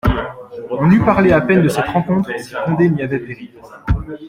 On eût parlé à peine de cette rencontre si Condé n'y avait péri.